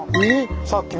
さっきね。